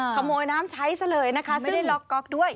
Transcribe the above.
ขโมยน้ำใช้ซะเลยนะคะซื้อล็อกก๊อกด้วย